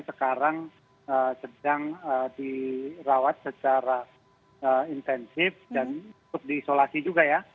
sekarang sedang dirawat secara intensif dan diisolasi juga ya